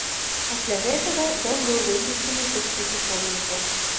Пасля гэтага дом быў выключаны са спісу помнікаў.